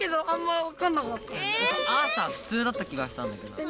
アーサーふつうだった気がしたんだけど。